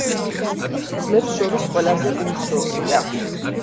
ძმებს შორის ყველაზე უმცროსია.